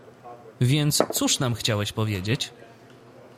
"Więc cóż nam chciałeś powiedzieć?"